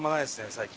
最近。